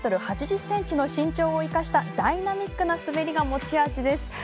１ｍ８０ｃｍの身長を生かしたダイナミックな滑りが持ち味です。